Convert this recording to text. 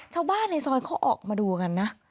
ชาวบ้านในซอยเขาออกมาดูกันนะ